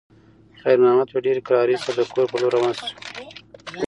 خیر محمد په ډېرې کرارۍ سره د کور په لور روان شو.